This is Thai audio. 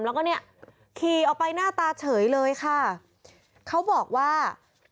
แล้วก็เนี่ยขี่ออกไปหน้าตาเฉยเลยค่ะเขาบอกว่า